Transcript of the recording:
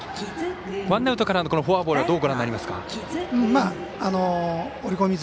ワンアウトからのフォアボールはどうご覧になりますか？